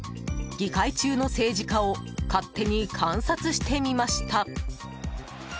議会中の政治家を勝手に観察してみました。